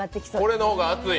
これの方が熱い？